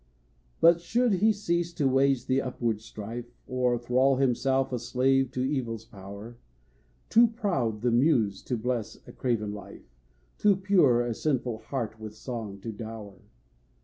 But should he cease to wage the upward strife, Or thrall himself a slave to evil's power, Too proud the Muse to bless a craven life, Too pure, a sinful heart with song to dower.